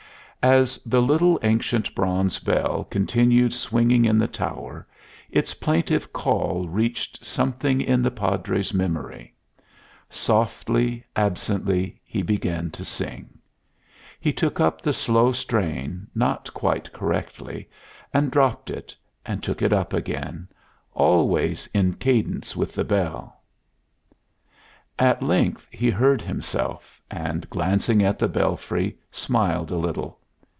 As the little, ancient bronze bell continued swinging in the tower, its plaintive call reached something in the Padre's memory. Softly, absently, he began to sing. He took up the slow strain not quite correctly, and dropped it, and took it up again, always in cadence with the bell. [musical score appears here] At length he heard himself, and, glancing at the belfry, smiled a little.